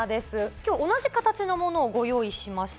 今日は同じ形のものをご用意しました。